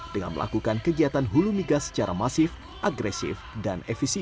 dengan melakukan kegiatan hulu migas secara masif agresif dan efisien